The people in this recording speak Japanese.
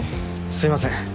すいません